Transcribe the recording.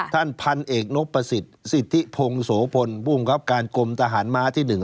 ท่านพันเอกนกประสิทธิพงศโภลผู้บุกรับการกลมทหารมาที่หนึ่ง